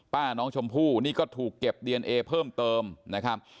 ป้าน้องชมพู่นี่ก็ถูกเก็บดีเอนเอเพิ่มเติมนะครับ